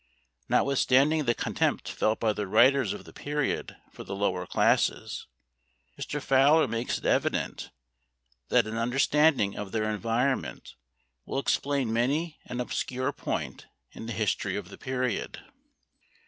Notwithstanding the contempt felt by the writers of the period for the lower classes, Mr. Fowler makes it evident that an understanding of their environment will explain many an obscure point in the history of the period.